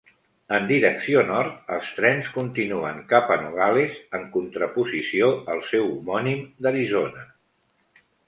En direcció nord, els trens continuen cap a Nogales, en contraposició al seu homònim d'Arizona.